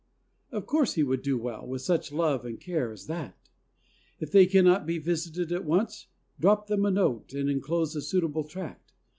Of course he would do well with such love and care as that ! If they cannot be visited at once, drop them a note and inclose a suitable tract.